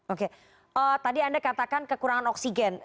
oke tadi anda katakan kekurangan oksigen